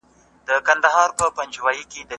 انځور د زده کوونکي له خوا کتل کيږي!!